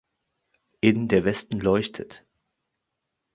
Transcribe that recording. In "Der Westen leuchtet!